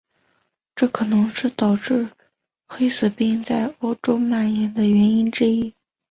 这可能是导致黑死病在欧洲蔓延的原因之一。